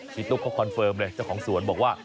ตุ๊กเขาคอนเฟิร์มเลยเจ้าของสวนบอกว่า